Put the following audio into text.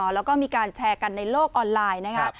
แล้วก็มีการแชร์กันในโลกออนไลน์นะคะ